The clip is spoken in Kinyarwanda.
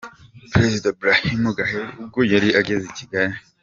Perezida Brahim Ghali ubwo yari ageze i Kigali.